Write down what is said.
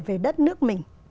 về đất nước mình